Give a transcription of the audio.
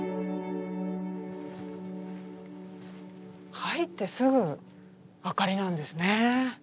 入ってすぐ「あかり」なんですね。